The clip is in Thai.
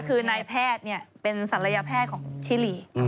คือนายแพทย์เป็นศัลยแพทย์ของชิลี